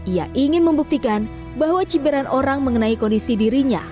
ia ingin membuktikan bahwa cibiran orang mengenai kondisi dirinya